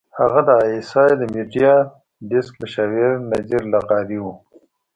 هغه د اى ايس اى د میډیا ډیسک مشاور نذیر لغاري وو.